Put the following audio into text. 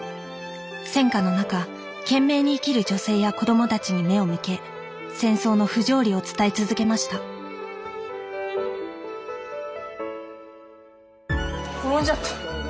戦火の中懸命に生きる女性や子供たちに目を向け戦争の不条理を伝え続けました転んじゃった。